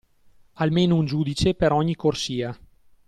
Almeno un giudice per ogni corsia